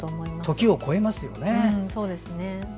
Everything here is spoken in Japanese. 時を越えますよね。